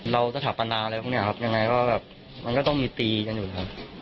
สถาปนาอะไรพวกนี้ครับยังไงก็แบบมันก็ต้องมีตีกันอยู่นะครับ